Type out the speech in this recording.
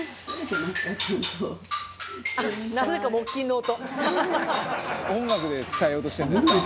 「なぜか木琴の音」「音楽で伝えようとしてるんだ」